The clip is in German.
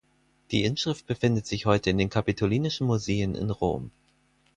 Die Inschrift befindet sich heute in den Kapitolinischen Museen in Rom.